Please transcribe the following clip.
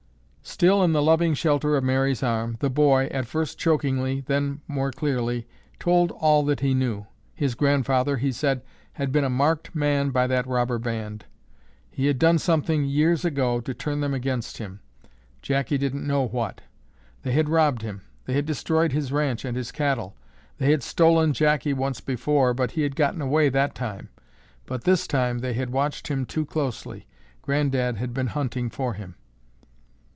Still in the loving shelter of Mary's arm, the boy, at first chokingly, then more clearly, told all that he knew. His grandfather, he said, had been a marked man by that robber band. He had done something years ago to turn them against him, Jackie didn't know what. They had robbed him. They had destroyed his ranch and his cattle. They had stolen Jackie once before, but he had gotten away that time, but this time they had watched him too closely. Granddad had been hunting for him.